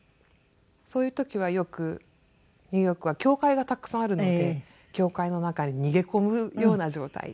そういう時はよくニューヨークは教会がたくさんあるので教会の中に逃げ込むような状態で。